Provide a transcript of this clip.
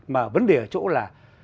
mà vấn đề ở chỗ là